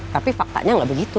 tapi faktanya gak begitu